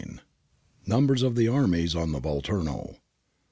APPENDIX J NUMBERS OF THE ARMIES ON THE VOLTURNO I.